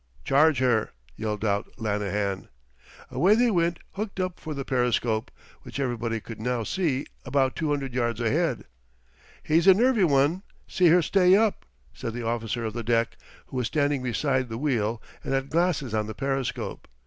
"Charge her!" yelled out Lanahan. Away they went hooked up for the periscope, which everybody could now see about 200 yards ahead. "He's a nervy one see her stay up!" said the officer of the deck, who was standing beside the wheel, and had glasses on the periscope.